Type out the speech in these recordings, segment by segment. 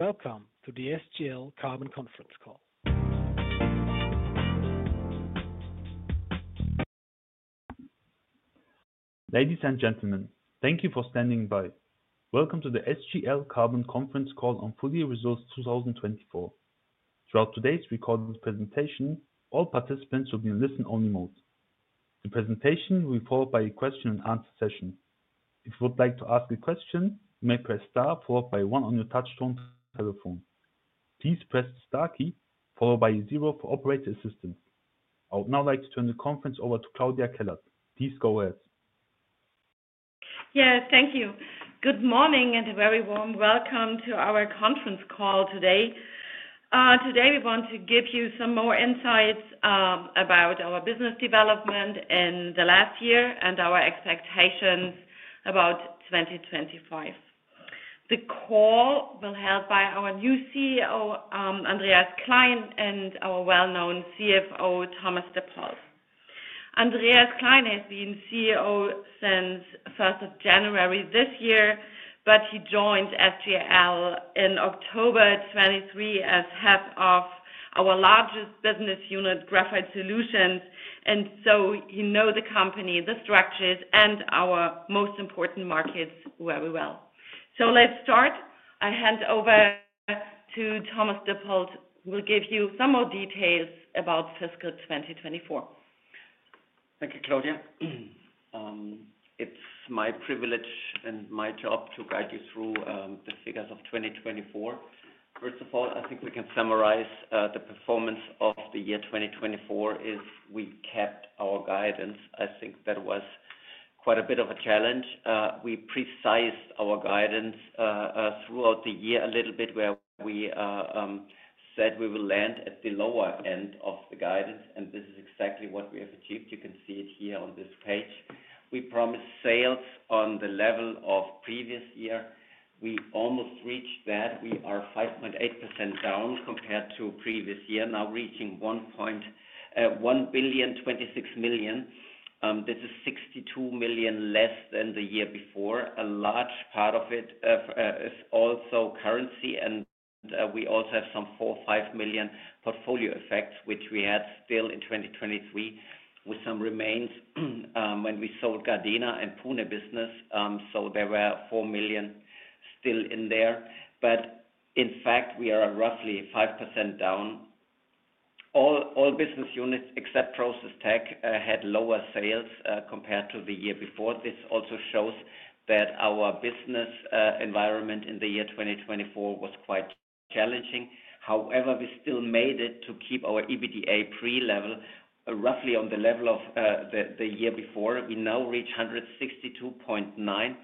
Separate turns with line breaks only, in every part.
Welcome to the SGL Carbon Conference Call. Ladies and gentlemen, thank you for standing by. Welcome to the SGL Carbon Conference Call on Full Year Results 2024. Throughout today's recorded presentation, all participants will be in listen-only mode. The presentation will be followed by a question-and-answer session. If you would like to ask a question, you may press star followed by one on your touch-tone telephone. Please press the star key followed by zero for operator assistance. I would now like to turn the conference over to Claudia Kellert. Please go ahead.
Yes, thank you. Good morning and a very warm welcome to our conference call today. Today we want to give you some more insights about our business development in the last year and our expectations about 2025. The call will be held by our new CEO, Andreas Klein, and our well-known CFO, Thomas Dippold. Andreas Klein has been CEO since 1 January this year, but he joined SGL in October 2023 as head of our largest business unit, Graphite Solutions. He knows the company, the structures, and our most important markets very well. Let's start. I hand over to Thomas Dippold, who will give you some more details about fiscal 2024.
Thank you, Claudia. It's my privilege and my job to guide you through the figures of 2024. First of all, I think we can summarize the performance of the year 2024. We kept our guidance. I think that was quite a bit of a challenge. We precised our guidance throughout the year a little bit, where we said we will land at the lower end of the guidance. This is exactly what we have achieved. You can see it here on this page. We promised sales on the level of the previous year. We almost reached that. We are 5.8% down compared to the previous year, now reaching 1,026,000,000. This is 62 million less than the year before. A large part of it is also currency, and we also have some 4 million-5 million portfolio effects, which we had still in 2023, with some remains when we sold Gardena and Pune business. So there were 4 million still in there. In fact, we are roughly 5% down. All business units except Process Technology had lower sales compared to the year before. This also shows that our business environment in the year 2024 was quite challenging. However, we still made it to keep our EBITDA pre level roughly on the level of the year before. We now reach 162.9 million.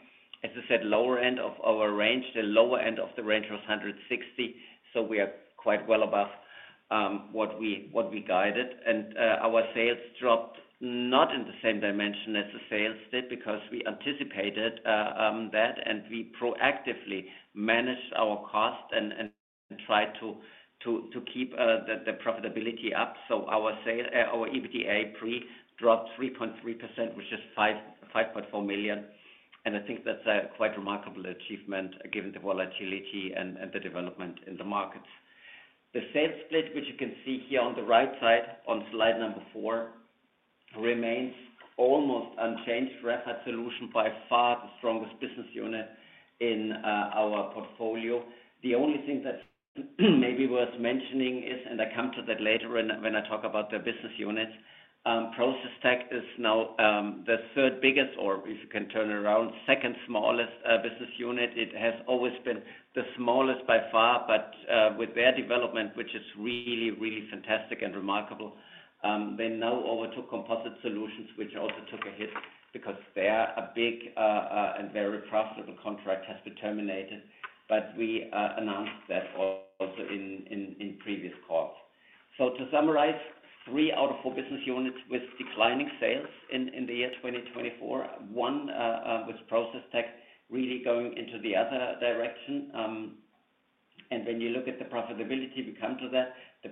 As I said, lower end of our range. The lower end of the range was 160 million. We are quite well above what we guided. Our sales dropped not in the same dimension as the sales did because we anticipated that, and we proactively managed our cost and tried to keep the profitability up. Our EBITDA pre dropped 3.3%, which is 5.4 million. I think that's a quite remarkable achievement given the volatility and the development in the markets. The sales split, which you can see here on the right side on slide number four, remains almost unchanged. Graphite Solutions is by far the strongest business unit in our portfolio. The only thing that may be worth mentioning is, and I come to that later when I talk about the business units, Process Technology is now the third biggest, or if you can turn it around, second smallest business unit. It has always been the smallest by far, but with their development, which is really, really fantastic and remarkable, they now overtook, which also took a hit because their big and very profitable contract has been terminated. We announced that also in previous calls. To summarize, three out of four business units with declining sales in the year 2024, one with Process Technology really going into the other direction. When you look at the profitability, we come to that. The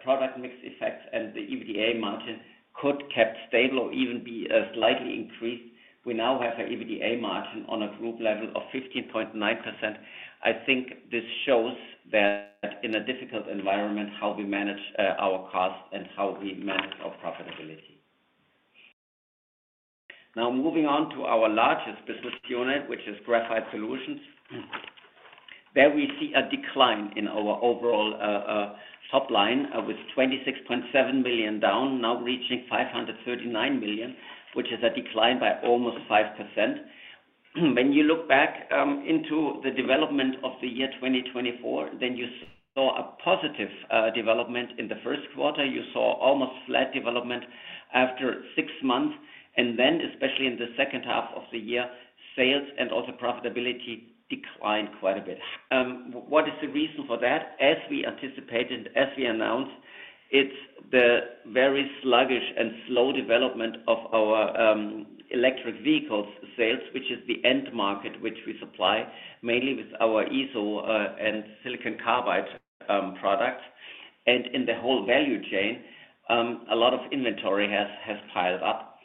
product mix effects and the EBITDA margin could cap stable or even be slightly increased. We now have an EBITDA margin on a group level of 15.9%. I think this shows that in a difficult environment, how we manage our costs and how we manage our profitability. Now moving on to our largest business unit, which is Graphite Solutions, there we see a decline in our overall top line with 26.7 million down, now reaching 539 million, which is a decline by almost 5%. When you look back into the development of the year 2024, you saw a positive development in the first quarter. You saw almost flat development after six months. Especially in the second half of the year, sales and also profitability declined quite a bit. What is the reason for that? As we anticipated, as we announced, it is the very sluggish and slow development of our electric vehicles sales, which is the end market, which we supply mainly with our isostatic graphite and silicon carbide products. In the whole value chain, a lot of inventory has piled up.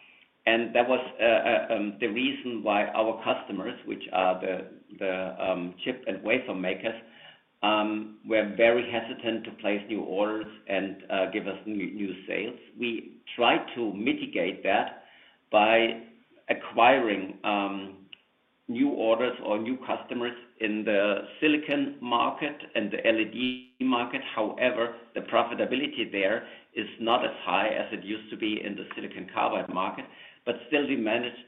That was the reason why our customers, which are the chip and wafer makers, were very hesitant to place new orders and give us new sales. We tried to mitigate that by acquiring new orders or new customers in the silicon market and the LED market. However, the profitability there is not as high as it used to be in the silicon carbide market, but still we managed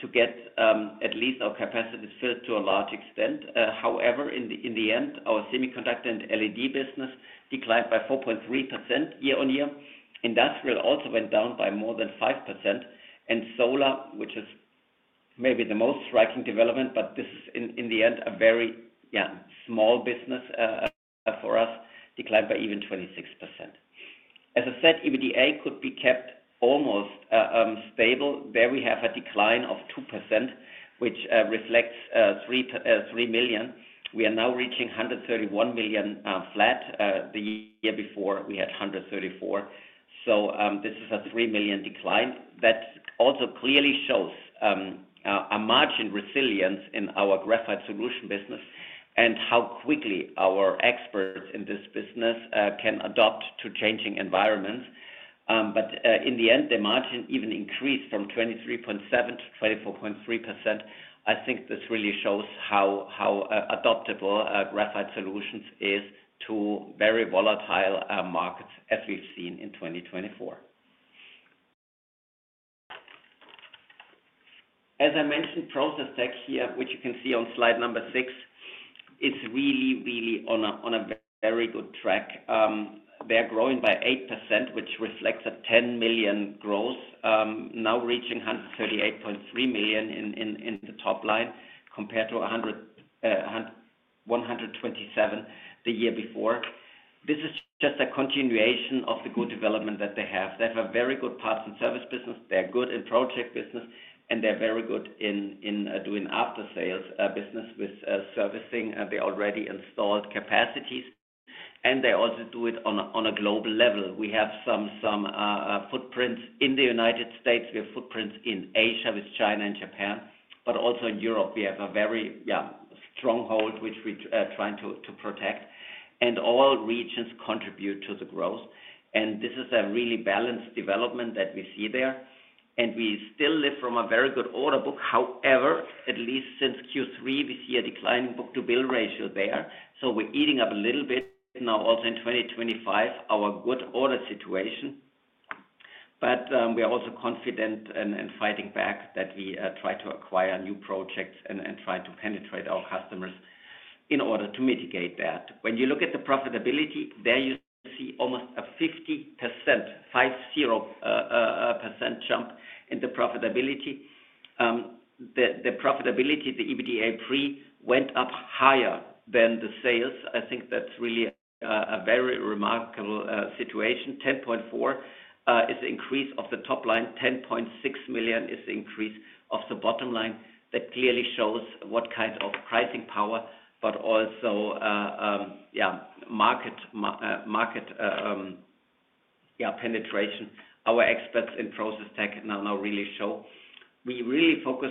to get at least our capacity filled to a large extent. However, in the end, our semiconductor and LED business declined by 4.3% year-on-year. Industrial also went down by more than 5%. Solar, which is maybe the most striking development, but this is in the end a very small business for us, declined by even 26%. As I said, EBITDA could be kept almost stable. There we have a decline of 2%, which reflects 3 million. We are now reaching 131 million flat. The year before, we had 134 million. This is a 3 million decline. That also clearly shows a margin resilience in our Graphite Solutions business and how quickly our experts in this business can adapt to changing environments. In the end, the margin even increased from 23.7% to 24.3%. I think this really shows how adoptable Graphite Solutions is to very volatile markets, as we have seen in 2024. As I mentioned, process technology here, which you can see on slide number six, is really, really on a very good track. They are growing by 8%, which reflects a 10 million growth, now reaching 138.3 million in the top line compared to 127 million the year before. This is just a continuation of the good development that they have. They have a very good parts and service business. They're good in project business, and they're very good in doing after-sales business with servicing the already installed capacities. They also do it on a global level. We have some footprints in the United States. We have footprints in Asia with China and Japan, but also in Europe. We have a very stronghold, which we are trying to protect. All regions contribute to the growth. This is a really balanced development that we see there. We still live from a very good order book. However, at least since Q3, we see a declining book-to-bill ratio there. We're eating up a little bit now also in 2025, our good order situation. We are also confident and fighting back that we try to acquire new projects and try to penetrate our customers in order to mitigate that. When you look at the profitability, there you see almost a 50% jump in the profitability. The profitability, the EBITDA pre went up higher than the sales. I think that's really a very remarkable situation. 10.4 million is the increase of the top line. 10.6 million is the increase of the bottom line. That clearly shows what kind of pricing power, but also market penetration, our experts in process technology now really show. We really focus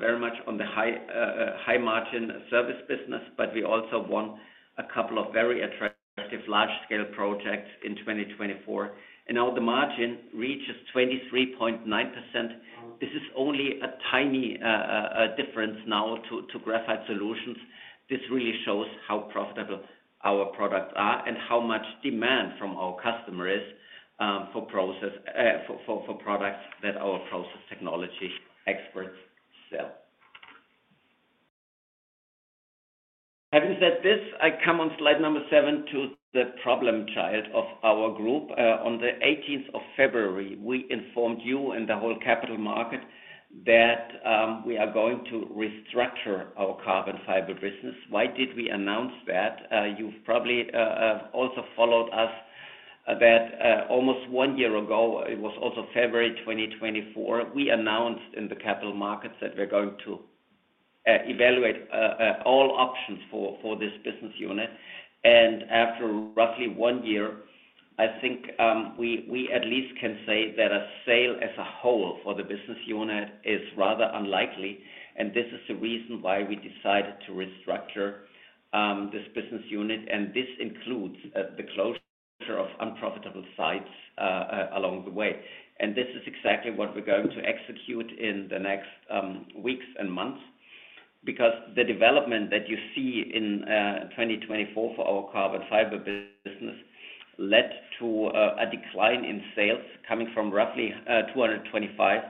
very much on the high-margin service business, but we also won a couple of very attractive large-scale projects in 2024. Now the margin reaches 23.9%. This is only a tiny difference now to Graphite Solutions. This really shows how profitable our products are and how much demand from our customers for products that our process technology experts sell. Having said this, I come on slide number seven to the problem child of our group. On the 18th of February, we informed you and the whole capital market that we are going to restructure our Carbon Fiber business. Why did we announce that? You've probably also followed us that almost one year ago, it was also February 2024, we announced in the capital markets that we're going to evaluate all options for this business unit. After roughly one year, I think we at least can say that a sale as a whole for the business unit is rather unlikely. This is the reason why we decided to restructure this business unit. This includes the closure of unprofitable sites along the way. This is exactly what we're going to execute in the next weeks and months because the development that you see in 2024 for our Carbon Fiber business led to a decline in sales coming from roughly 225 million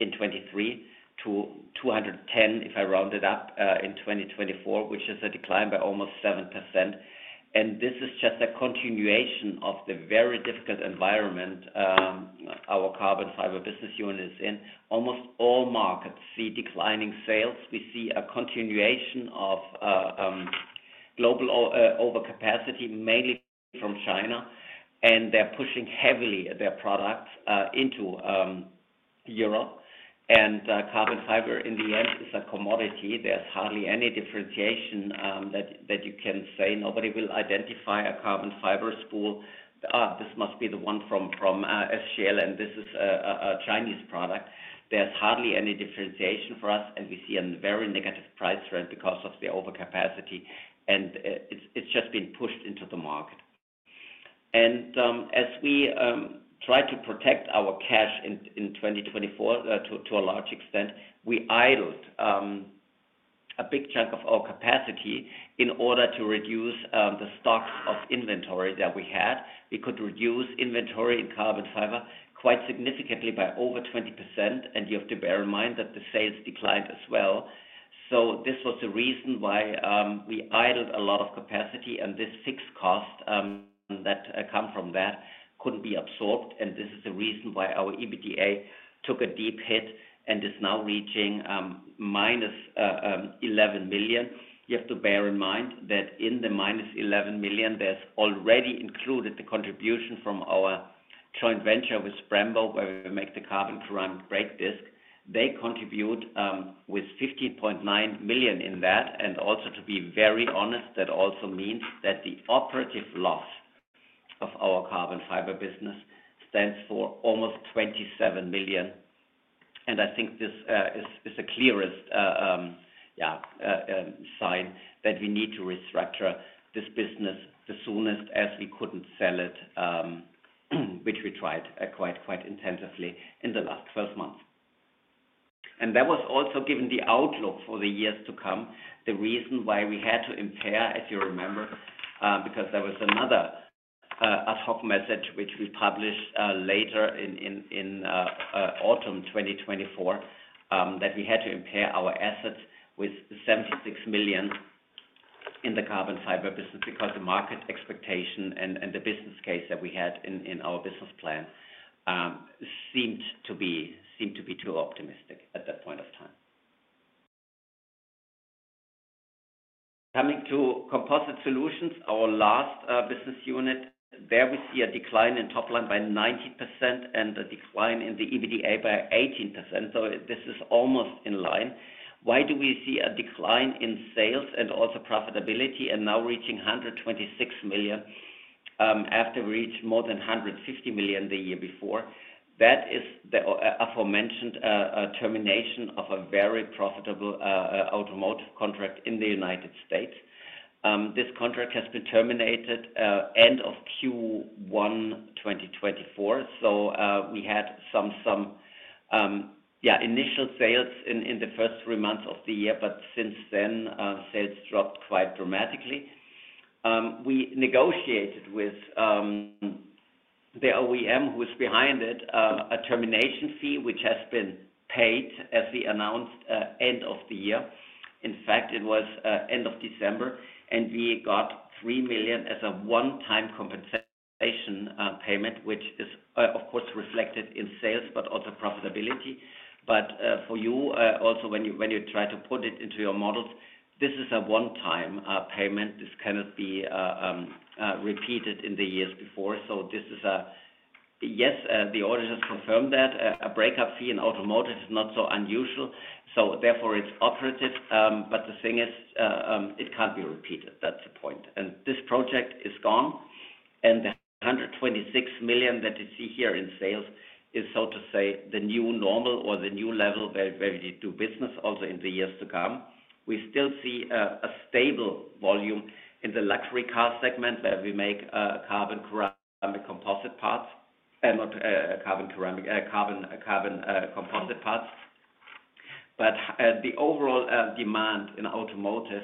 in 2023 to 210 million, if I round it up, in 2024, which is a decline by almost 7%. This is just a continuation of the very difficult environment our Carbon Fiber business unit is in. Almost all markets see declining sales. We see a continuation of global overcapacity, mainly from China. They are pushing heavily their products into Europe. Carbon fiber, in the end, is a commodity. There is hardly any differentiation that you can say. Nobody will identify a carbon fiber spool. This must be the one from SGL, and this is a Chinese product. There's hardly any differentiation for us, and we see a very negative price range because of the overcapacity. It has just been pushed into the market. As we tried to protect our cash in 2024 to a large extent, we idled a big chunk of our capacity in order to reduce the stocks of inventory that we had. We could reduce inventory in carbon fiber quite significantly by over 20%. You have to bear in mind that the sales declined as well. This was the reason why we idled a lot of capacity, and this fixed cost that comes from that could not be absorbed. This is the reason why our EBITDA took a deep hit and is now reaching -11 million. You have to bear in mind that in the -11 million, there's already included the contribution from our joint venture with Brembo, where we make the carbon-ceramic brake discs. They contribute with 15.9 million in that. To be very honest, that also means that the operative loss of our Carbon Fiber business stands for almost 27 million. I think this is the clearest sign that we need to restructure this business the soonest as we couldn't sell it, which we tried quite intensively in the last 12 months. That was also given the outlook for the years to come, the reason why we had to impair, as you remember, because there was another ad hoc message, which we published later in autumn 2024, that we had to impair our assets with 76 million in the Carbon Fiber business because the market expectation and the business case that we had in our business plan seemed to be too optimistic at that point of time. Coming to, our last business unit, there we see a decline in top line by 9% and a decline in the EBITDA by 18%. This is almost in line. Why do we see a decline in sales and also profitability and now reaching 126 million after we reached more than 150 million the year before? That is the aforementioned termination of a very profitable automotive contract in the United States. This contract has been terminated at the end of Q1 2024. We had some initial sales in the first three months of the year, but since then, sales dropped quite dramatically. We negotiated with the OEM who is behind it a termination fee, which has been paid as we announced end of the year. In fact, it was end of December, and we got 3 million as a one-time compensation payment, which is, of course, reflected in sales, but also profitability. For you, also when you try to put it into your models, this is a one-time payment. This cannot be repeated in the years before. Yes, the auditors confirmed that a breakup fee in automotive is not so unusual. Therefore, it is operative. The thing is, it cannot be repeated. That is the point. This project is gone. The 126 million that you see here in sales is, so to say, the new normal or the new level where we do business also in the years to come. We still see a stable volume in the luxury car segment where we make carbon composite parts and not carbon-ceramic parts. The overall demand in automotive,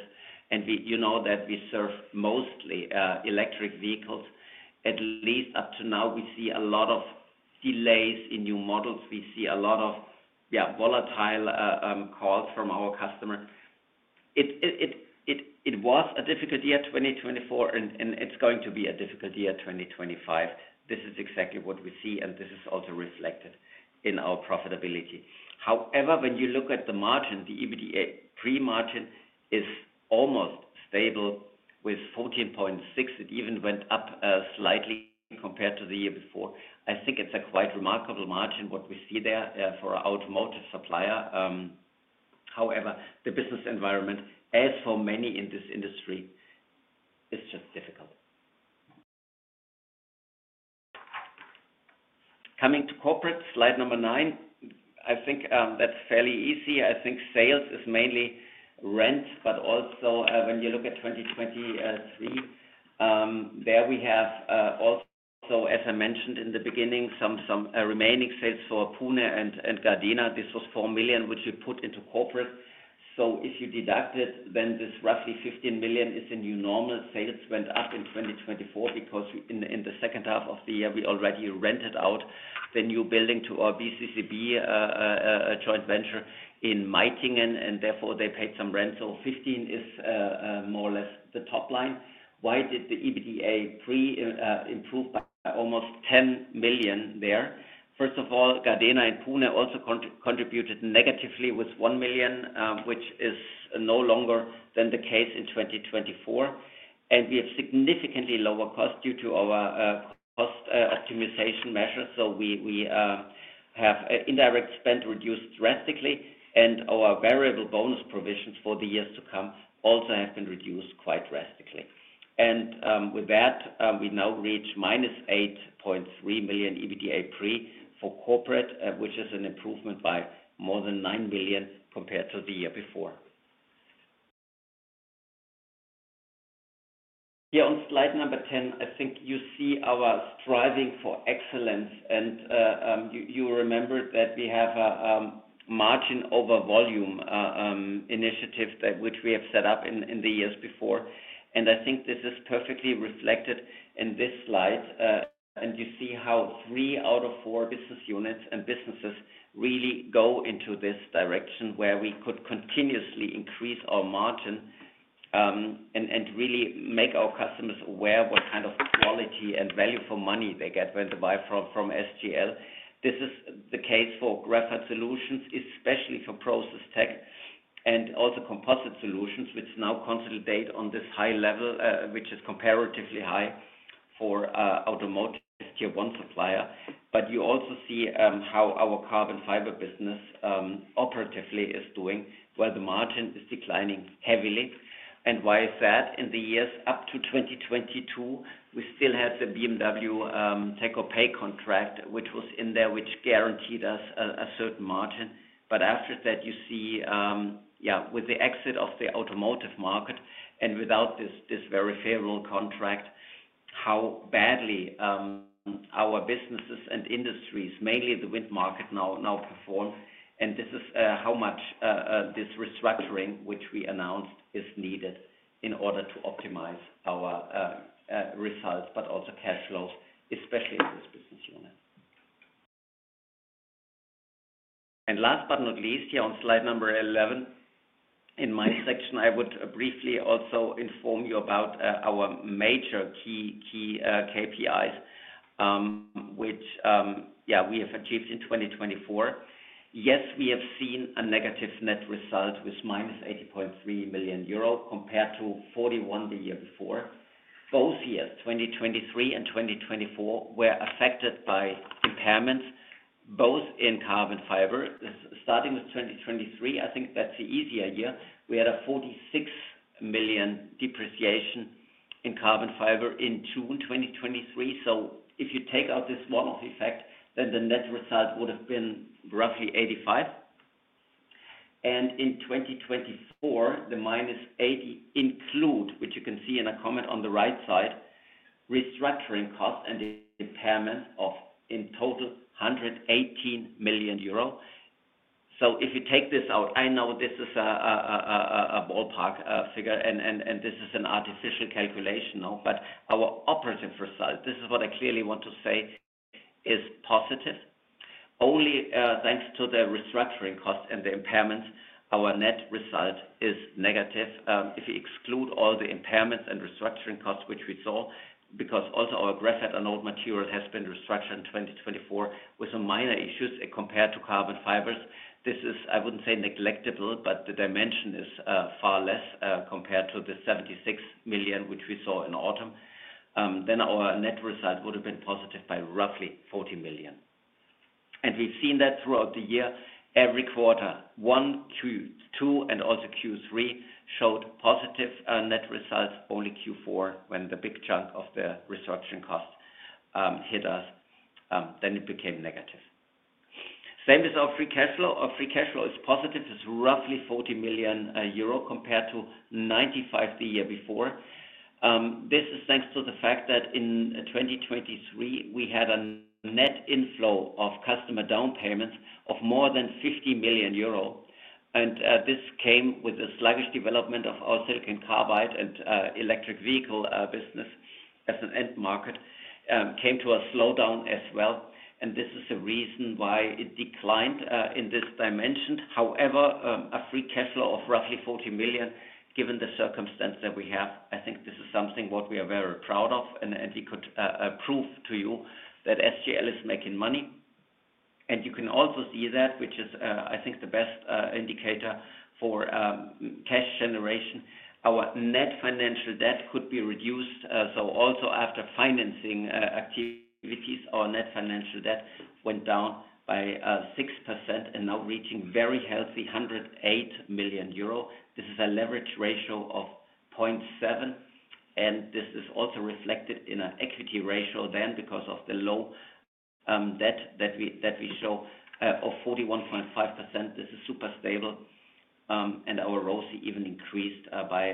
and you know that we serve mostly electric vehicles, at least up to now, we see a lot of delays in new models. We see a lot of volatile calls from our customers. It was a difficult year 2024, and it is going to be a difficult year 2025. This is exactly what we see, and this is also reflected in our profitability. However, when you look at the margin, the EBITDA pre margin is almost stable with 14.6%. It even went up slightly compared to the year before. I think it's a quite remarkable margin what we see there for an automotive supplier. However, the business environment, as for many in this industry, is just difficult. Coming to corporate slide number nine, I think that's fairly easy. I think sales is mainly rent, but also when you look at 2023, there we have also, as I mentioned in the beginning, some remaining sales for Pune and Gardena. This was 4 million, which we put into corporate. If you deduct it, then this roughly 15 million is the new normal. Sales went up in 2024 because in the second half of the year, we already rented out the new building to our BSCCB joint venture in Meitingen, and therefore, they paid some rent. 15 million is more or less the top line. Why did the EBITDA pre improve by almost 10 million there? First of all, Gardena and Pune also contributed negatively with 1 million, which is no longer the case in 2024. We have significantly lower costs due to our cost optimization measures. We have indirect spend reduced drastically, and our variable bonus provisions for the years to come also have been reduced quite drastically. With that, we now reach -8.3 million EBITDA pre for corporate, which is an improvement by more than 9 million compared to the year before. Here on slide number 10, I think you see our striving for excellence. You remember that we have a Margin over Volume initiative that we have set up in the years before. I think this is perfectly reflected in this slide. You see how three out of four business units and businesses really go into this direction where we could continuously increase our margin and really make our customers aware of what kind of quality and value for money they get when they buy from SGL. This is the case for Graphite Solutions, especially for process tech, and also, which now consolidate on this high level, which is comparatively high for an automotive tier one supplier. You also see how our Carbon Fiber business operatively is doing where the margin is declining heavily. Why is that? In the years up to 2022, we still had the BMW take-or-pay contract, which was in there, which guaranteed us a certain margin. After that, you see, yeah, with the exit of the automotive market and without this very favorable contract, how badly our businesses and industries, mainly the wind market, now perform. This is how much this restructuring, which we announced, is needed in order to optimize our results, but also cash flows, especially in this business unit. Last but not least, here on slide number 11, in my section, I would briefly also inform you about our major key KPIs, which, yeah, we have achieved in 2024. Yes, we have seen a negative net result with -80.3 million euro compared to 41 million the year before. Both years, 2023 and 2024, were affected by impairments, both in carbon fiber. Starting with 2023, I think that's the easier year. We had a 46 million depreciation in carbon fiber in June 2023. If you take out this one-off effect, then the net result would have been roughly 85 million. In 2024, the -80 million include, which you can see in a comment on the right side, restructuring costs and impairments of in total 118 million euro. If you take this out, I know this is a ballpark figure, and this is an artificial calculation now, but our operative result, this is what I clearly want to say, is positive. Only thanks to the restructuring costs and the impairments, our net result is negative if we exclude all the impairments and restructuring costs which we saw because also our graphite and old material has been restructured in 2024 with some minor issues compared to carbon fiber. This is, I would not say neglectable, but the dimension is far less compared to the 76 million which we saw in autumn. Our net result would have been positive by roughly 40 million. We have seen that throughout the year. Every quarter, Q1, Q2, and also Q3 showed positive net results. Only Q4, when the big chunk of the restructuring cost hit us, it became negative. Same as our free cash flow. Our free cash flow is positive. It is roughly 40 million euro compared to 95 million the year before. This is thanks to the fact that in 2023, we had a net inflow of customer down payments of more than 50 million euro. This came with the sluggish development of our silicon carbide and electric vehicle business as an end market came to a slowdown as well. This is the reason why it declined in this dimension. However, a free cash flow of roughly 40 million, given the circumstance that we have, I think this is something what we are very proud of. We could prove to you that SGL is making money. You can also see that, which is, I think, the best indicator for cash generation. Our net financial debt could be reduced. Also after financing activities, our net financial debt went down by 6% and now reaching very healthy 108 million euro. This is a leverage ratio of 0.7. This is also reflected in an equity ratio then because of the low debt that we show of 41.5%. This is super stable. Our ROCE even increased by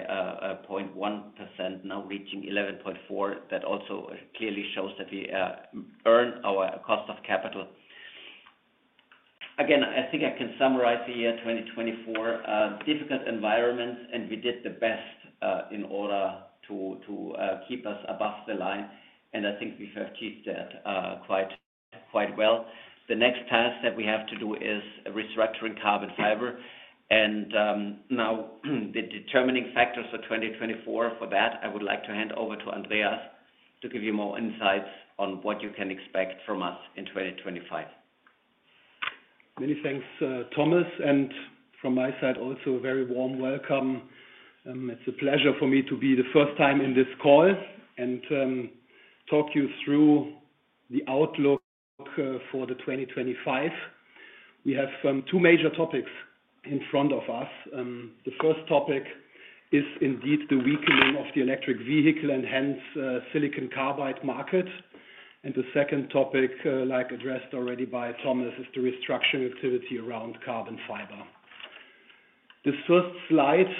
0.1%, now reaching 11.4%. That also clearly shows that we earn our cost of capital. Again, I think I can summarize the year 2024. Difficult environments, and we did the best in order to keep us above the line. I think we've achieved that quite well. The next task that we have to do is restructuring carbon fiber. Now the determining factors for 2024 for that, I would like to hand over to Andreas to give you more insights on what you can expect from us in 2025.
Many thanks, Thomas. From my side, also a very warm welcome. It's a pleasure for me to be the first time in this call and talk you through the outlook for 2025. We have two major topics in front of us. The first topic is indeed the weakening of the electric vehicle and hence silicon carbide market. The second topic, like addressed already by Thomas, is the restructuring activity around carbon fiber. This first slide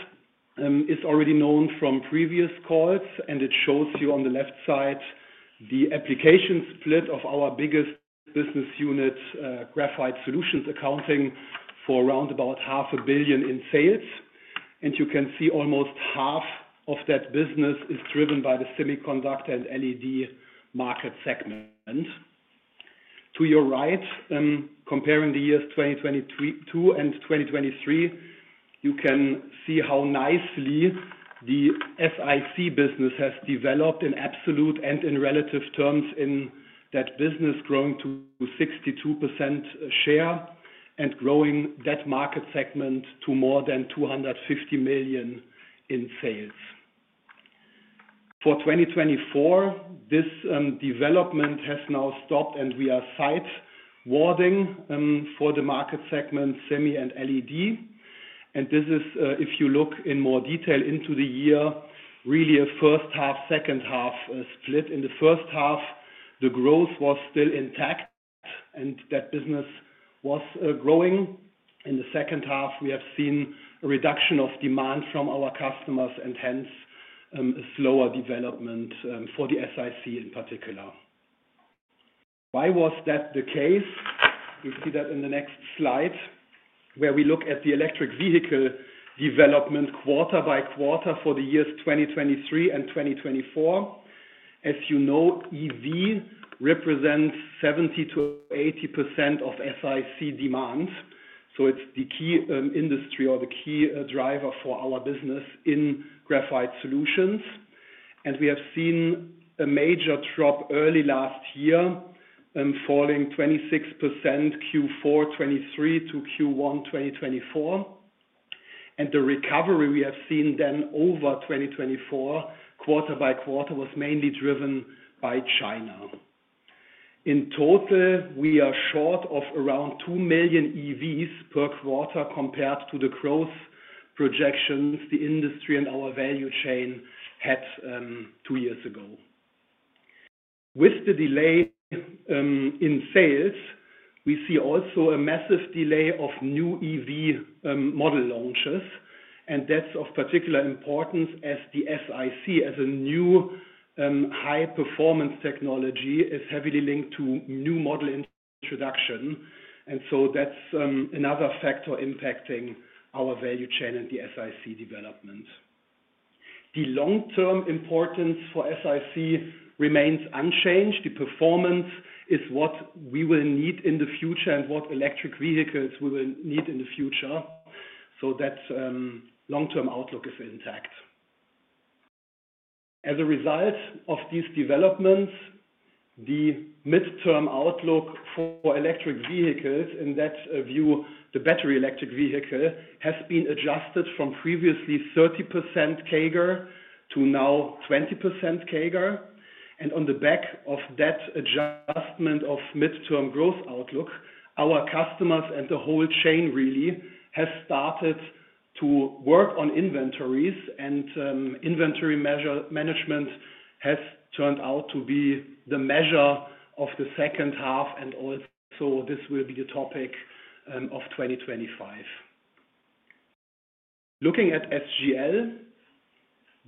is already known from previous calls, and it shows you on the left side the application split of our biggest business unit, Graphite Solutions accounting for around about 500 million in sales. You can see almost half of that business is driven by the semiconductor and LED market segment. To your right, comparing the years 2022 and 2023, you can see how nicely the SiC business has developed in absolute and in relative terms in that business, growing to 62% share and growing that market segment to more than 250 million in sales. For 2024, this development has now stopped, and we are sidewarding for the market segment, semi and LED. If you look in more detail into the year, it is really a first half, second half split. In the first half, the growth was still intact, and that business was growing. In the second half, we have seen a reduction of demand from our customers and hence a slower development for the SiC in particular. Why was that the case? You see that in the next slide where we look at the electric vehicle development quarter by quarter for the years 2023 and 2024. As you know, EV represents 70%-80% of SiC demand. It is the key industry or the key driver for our business in Graphite Solutions. We have seen a major drop early last year, falling 26% Q4 2023 to Q1 2024. The recovery we have seen then over 2024, quarter by quarter, was mainly driven by China. In total, we are short of around 2 million EVs per quarter compared to the growth projections the industry and our value chain had two years ago. With the delay in sales, we see also a massive delay of new EV model launches. That is of particular importance as the SiC, as a new high-performance technology, is heavily linked to new model introduction. That is another factor impacting our value chain and the SiC development. The long-term importance for SiC remains unchanged. The performance is what we will need in the future and what electric vehicles we will need in the future. That long-term outlook is intact. As a result of these developments, the midterm outlook for electric vehicles in that view, the battery electric vehicle, has been adjusted from previously 30% CAGR to now 20% CAGR. On the back of that adjustment of midterm growth outlook, our customers and the whole chain really has started to work on inventories, and inventory management has turned out to be the measure of the second half. This will be the topic of 2025. Looking at SGL,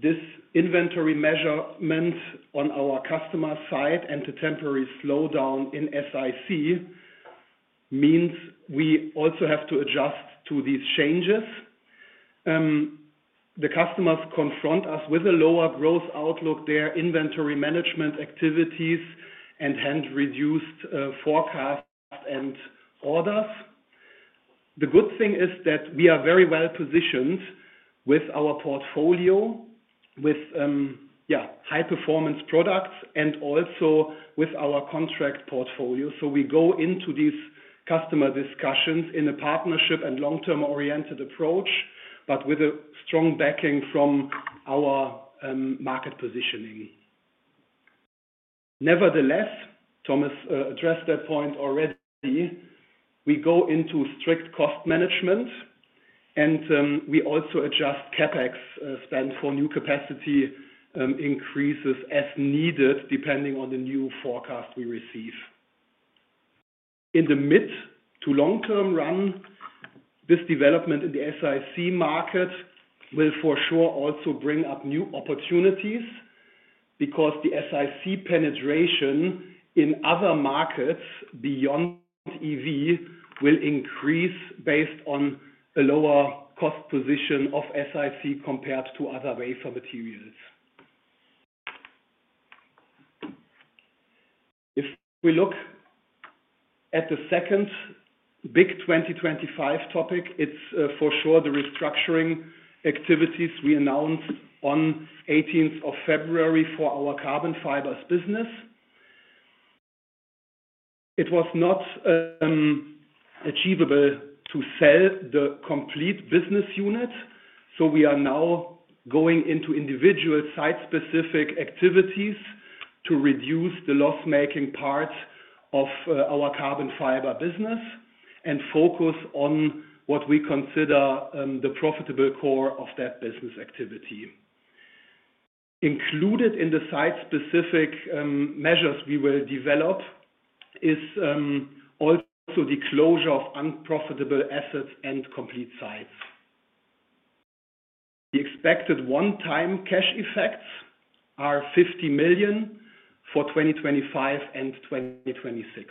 this inventory measurement on our customer side and the temporary slowdown in SiC means we also have to adjust to these changes. The customers confront us with a lower growth outlook, their inventory management activities, and hence reduced forecasts and orders. The good thing is that we are very well positioned with our portfolio, with, yeah, high-performance products and also with our contract portfolio. We go into these customer discussions in a partnership and long-term oriented approach, but with a strong backing from our market positioning. Nevertheless, Thomas addressed that point already. We go into strict cost management, and we also adjust CapEX spend for new capacity increases as needed depending on the new forecast we receive. In the mid to long-term run, this development in the SiC market will for sure also bring up new opportunities because the SiC penetration in other markets beyond EV will increase based on a lower cost position of SiC compared to other wafer materials. If we look at the second big 2025 topic, it is for sure the restructuring activities we announced on 18th of February for our Carbon Fiber business. It was not achievable to sell the complete business unit. So we are now going into individual site-specific activities to reduce the loss-making part of our Carbon Fiber business and focus on what we consider the profitable core of that business activity. Included in the site-specific measures we will develop is also the closure of unprofitable assets and complete sites. The expected one-time cash effects are 50 million for 2025 and 2026.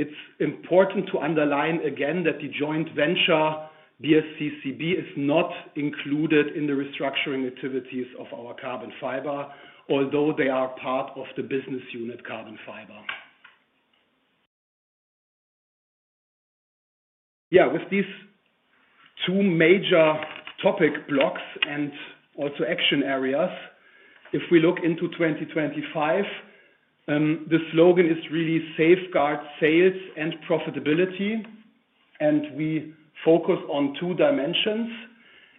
It's important to underline again that the joint venture BSCCB is not included in the restructuring activities of our carbon fiber, although they are part of the business unit carbon fiber. Yeah, with these two major topic blocks and also action areas, if we look into 2025, the slogan is really safeguard sales and profitability. We focus on two dimensions.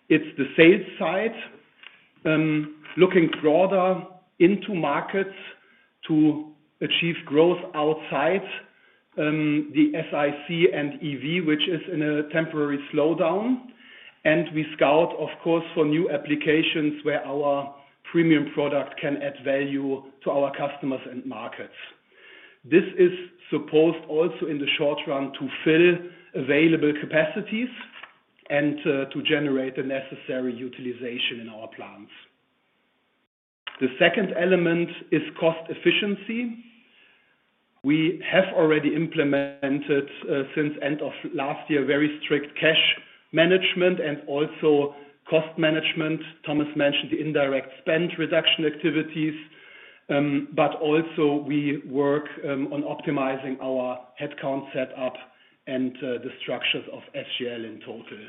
It's the sales side, looking broader into markets to achieve growth outside the SiC and EV, which is in a temporary slowdown. We scout, of course, for new applications where our premium product can add value to our customers and markets. This is supposed also in the short run to fill available capacities and to generate the necessary utilization in our plants. The second element is cost efficiency. We have already implemented since end of last year very strict cash management and also cost management. Thomas mentioned the indirect spend reduction activities, but also we work on optimizing our headcount setup and the structures of SGL in total.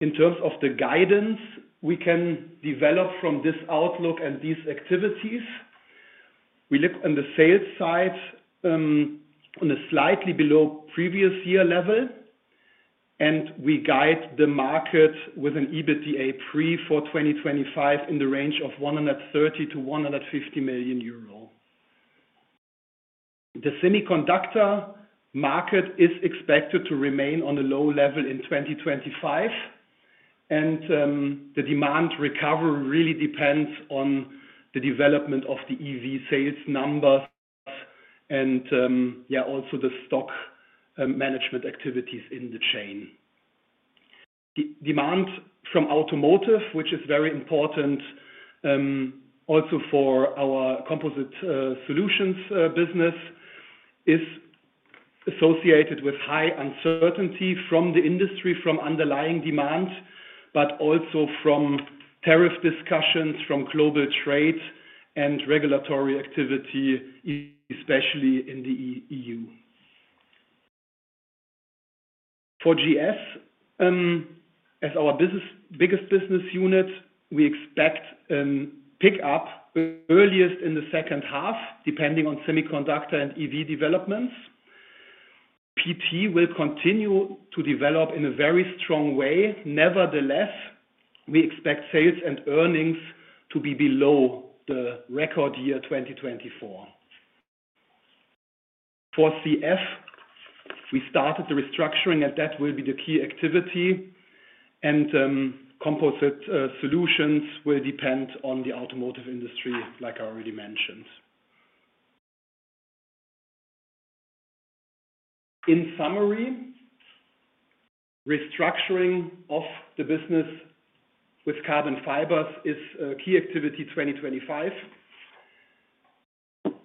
In terms of the guidance we can develop from this outlook and these activities, we look on the sales side on a slightly below previous year level, and we guide the market with an EBITDA pre for 2025 in the range of 130 million-150 million euro. The semiconductor market is expected to remain on a low level in 2025, and the demand recovery really depends on the development of the EV sales numbers and, yeah, also the stock management activities in the chain. Demand from automotive, which is very important also for our business, is associated with high uncertainty from the industry, from underlying demand, but also from tariff discussions, from global trade and regulatory activity, especially in the EU. For GS, as our biggest business unit, we expect pickup earliest in the second half, depending on semiconductor and EV developments. PT will continue to develop in a very strong way. Nevertheless, we expect sales and earnings to be below the record year 2024. For CF, we started the restructuring, and that will be the key activity. will depend on the automotive industry, like I already mentioned. In summary, restructuring of the business with carbon fibers is a key activity 2025.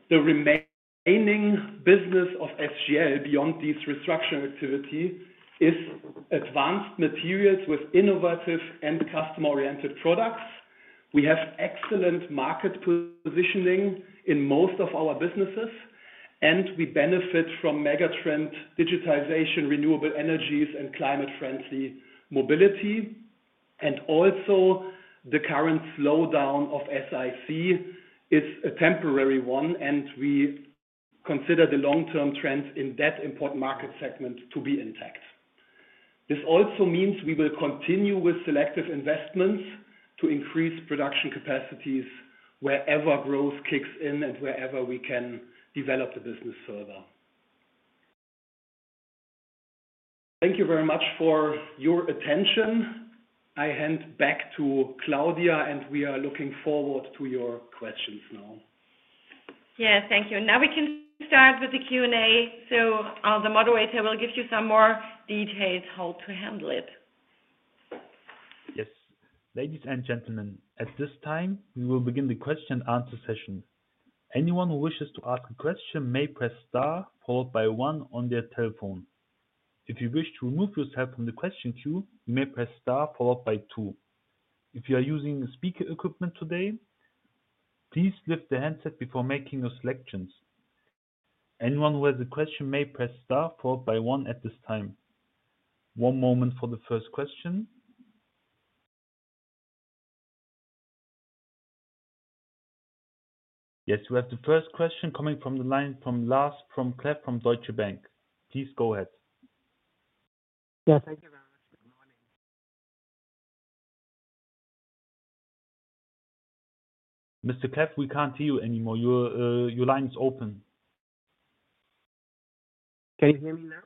The remaining business of SGL beyond this restructuring activity is advanced materials with innovative and customer-oriented products. We have excellent market positioning in most of our businesses, and we benefit from megatrend digitization, renewable energies, and climate-friendly mobility. The current slowdown of SiC is a temporary one, and we consider the long-term trends in that important market segment to be intact. This also means we will continue with selective investments to increase production capacities wherever growth kicks in and wherever we can develop the business further. Thank you very much for your attention. I hand back to Claudia, and we are looking forward to your questions now.
Yeah, thank you. Now we can start with the Q&A. The moderator will give you some more details how to handle it.
Yes. Ladies and gentlemen, at this time, we will begin the question-and-answer session. Anyone who wishes to ask a question may press star followed by one on their telephone. If you wish to remove yourself from the question queue, you may press star followed by two. If you are using speaker equipment today, please lift the handset before making your selections. Anyone who has a question may press star followed by one at this time. One moment for the first question. Yes, we have the first question coming from the line from Lars Vom-Cleff from Deutsche Bank. Please go ahead.
Yes, thank you very much. Good morning.
Mr. Cleff, we can't hear you anymore. Your line is open.
Can you hear me now?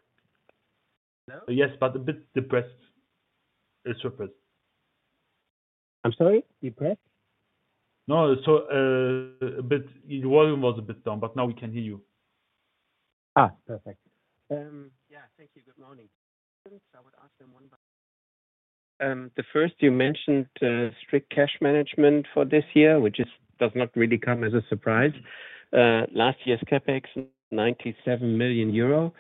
Hello?
Yes, but a bit depressed. It's suppressed.
I'm sorry? Depressed?
No, so your volume was a bit down, but now we can hear you.
Perfect. Yeah, thank you. Good morning. I would ask them one by one. The first, you mentioned strict cash management for this year, which does not really come as a surprise. Last year's CapEx, 97 million euro.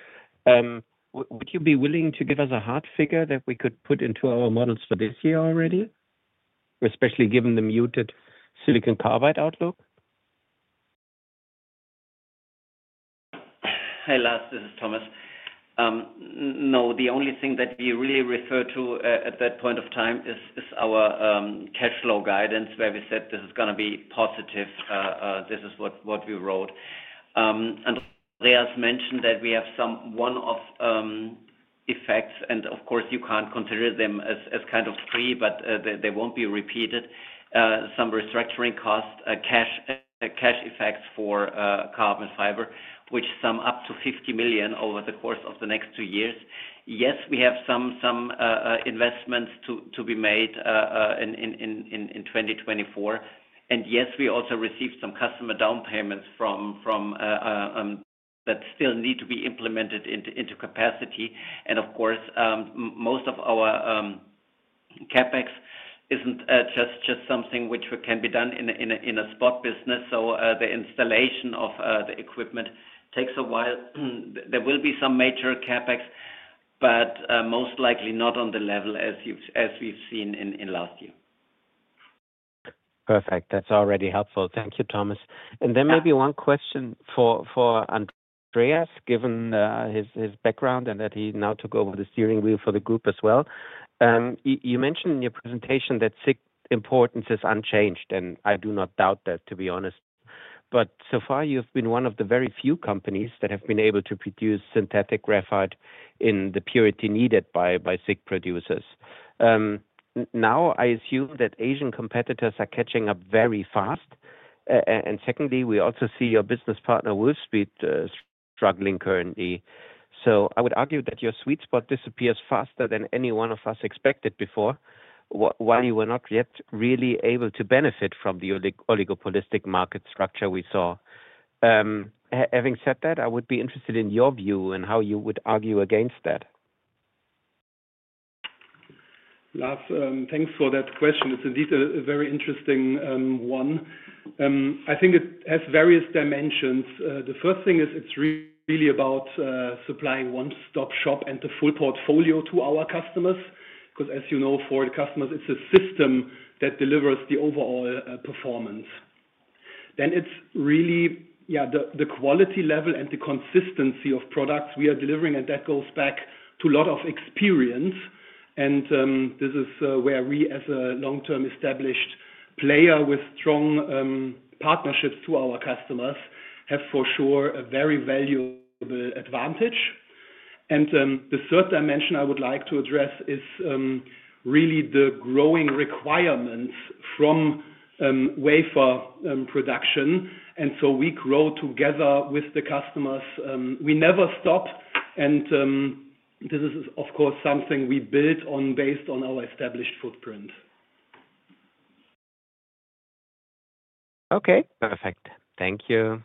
Would you be willing to give us a hard figure that we could put into our models for this year already, especially given the muted silicon carbide outlook?
Hi, Lars. This is Thomas. No, the only thing that we really refer to at that point of time is our cash flow guidance, where we said this is going to be positive. This is what we wrote. Andreas mentioned that we have some one-off effects, and of course, you can't consider them as kind of free, but they won't be repeated. Some restructuring cost, cash effects for carbon fiber, which sum up to 50 million over the course of the next two years. Yes, we have some investments to be made in 2024. Yes, we also received some customer down payments that still need to be implemented into capacity. Of course, most of our CapEx isn't just something which can be done in a spot business. The installation of the equipment takes a while. There will be some major CapEx, but most likely not on the level as we've seen in last year.
Perfect. That's already helpful. Thank you, Thomas. Maybe one question for Andreas, given his background and that he now took over the steering wheel for the group as well. You mentioned in your presentation that SiC importance is unchanged, and I do not doubt that, to be honest. So far, you've been one of the very few companies that have been able to produce synthetic graphite in the purity needed by SiC producers. Now, I assume that Asian competitors are catching up very fast. Secondly, we also see your business partner, Wolfspeed, struggling currently. I would argue that your sweet spot disappears faster than any one of us expected before, while you were not yet really able to benefit from the oligopolistic market structure we saw. Having said that, I would be interested in your view and how you would argue against that.
Lars, thanks for that question. It's indeed a very interesting one. I think it has various dimensions. The first thing is it's really about supplying one-stop shop and the full portfolio to our customers. Because as you know, for the customers, it's a system that delivers the overall performance. It is really, yeah, the quality level and the consistency of products we are delivering, and that goes back to a lot of experience. This is where we, as a long-term established player with strong partnerships to our customers, have for sure a very valuable advantage. The third dimension I would like to address is really the growing requirements from wafer production. We grow together with the customers. We never stop. This is, of course, something we build on based on our established footprint.
Okay. Perfect. Thank you.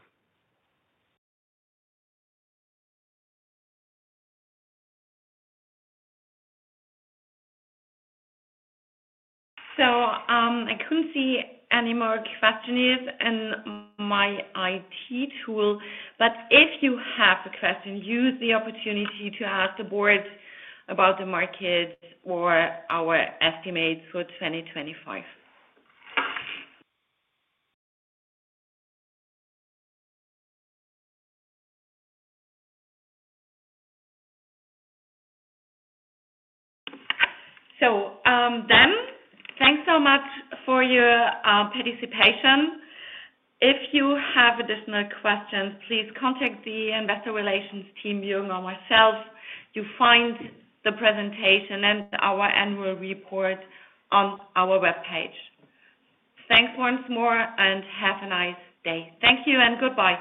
I could not see any more questions in my IT tool. If you have a question, use the opportunity to ask the board about the market or our estimates for 2025. Thank you so much for your participation. If you have additional questions, please contact the investor relations team, Jürgen or myself. You find the presentation and our annual report on our webpage. Thanks once more and have a nice day. Thank you and goodbye.